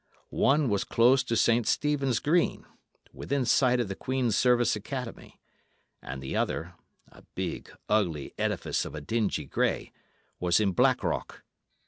One was close to St. Stephen's Green, within sight of the Queen's Service Academy, and the other, a big, ugly edifice of a dingy grey, was in Blackrock.